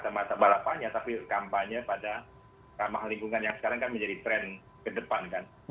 bukan balapannya tapi kampanye pada ramah lingkungan yang sekarang kan menjadi tren ke depan kan